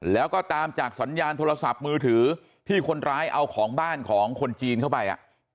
แล้วก็ตามจากสัญญาณโทรศัพท์มือถือที่คนร้ายเอาของบ้านของคนจีนเข้าไป